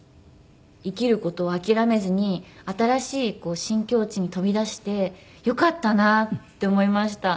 生きる事を諦めずに新しい新境地に飛び出してよかったなって思いました。